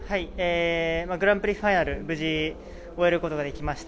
グランプリファイナル無事終えることができました。